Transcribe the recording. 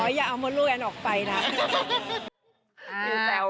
อย่าเอามดลูกแอนออกไปนะ